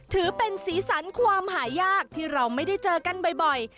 ถือเป็นสีสันความหายากที่เราไม่ได้เจอกันบ่อย